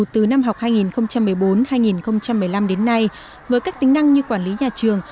từ năm học hai nghìn một mươi bốn hai nghìn một mươi năm đến nay với các tính năng như quản lý nhà trường